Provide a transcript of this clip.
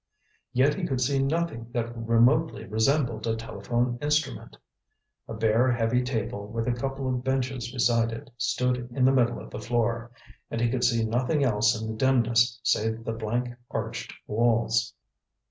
Yet he could see nothing that remotely resembled a telephone instrument. A bare heavy table with a couple of benches beside it stood in the middle of the floor, and he could see nothing else in the dimness save the blank, arched walls.